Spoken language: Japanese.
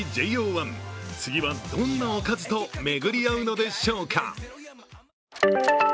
１、次はどんなおかずと巡り会うのでしょうか。